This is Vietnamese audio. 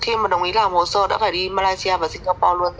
khi mà đồng ý làm hồ sơ đã phải đi malaysia và singapore luôn